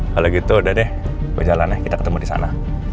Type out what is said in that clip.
kalau gitu udah deh berjalan ya kita ketemu di sana